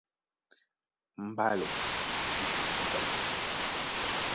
Mbálɛ e tití dipama.